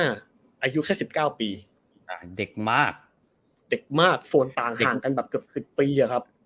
อายุแค่สิบเก้าปีอ่าเด็กมากเด็กมากส่วนต่างเด็กกันแบบเกือบสิบปีอะครับ